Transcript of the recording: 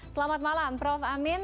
selamat malam prof amin